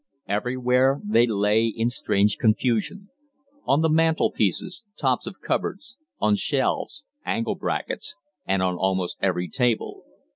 Everywhere they lay in strange confusion on the mantelpieces, tops of cupboards, on shelves, angle brackets, and on almost every table.